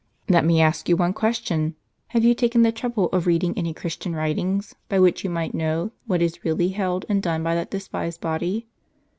"Let me ask you one question. Have you taken the trouble of reading any Chiistian writings, by which you might know what is really held and done by that despised body?